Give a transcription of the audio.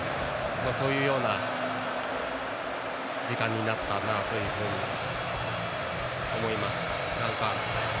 そういうような時間になったなと思います。